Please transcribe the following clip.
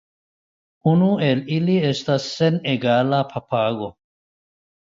Unu el ili estas senegala papago.